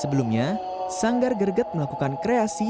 sebelumnya sanggar greget melakukan kreasi